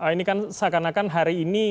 ini kan seakan akan hari ini